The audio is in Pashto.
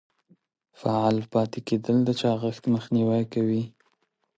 فعال پاتې کیدل د چاغښت مخنیوی کوي.